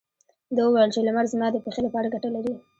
ده وويل چې لمر زما د پښې لپاره ګټه لري.